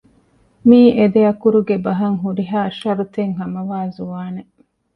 މީ އެދެއަކުރުގެ ބަހަށް ހުރިހާ ޝަރުތެއް ހަމަވާ ޒުވާނެއް